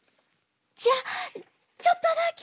じゃあちょっとだけ。